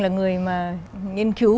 là người mà nghiên cứu